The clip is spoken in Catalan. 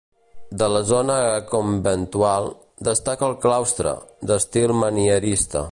De la zona conventual, destaca el claustre, d'estil manierista.